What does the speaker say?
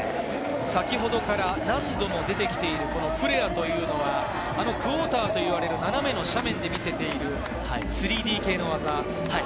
先程から何度も出てきているフレアというのはクォーターといわれる斜めの斜面で見せている３Ｄ系の技。